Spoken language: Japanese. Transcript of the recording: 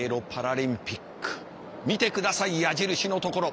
見て下さい矢印のところ。